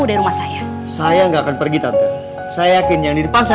dia berani macam macam